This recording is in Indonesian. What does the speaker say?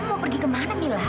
kamu mau pergi kemana mila